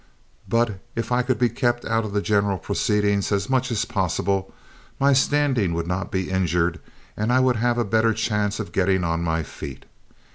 "But if I could be kept out of the general proceedings as much as possible, my standing would not be injured, and I would have a better chance of getting on my feet.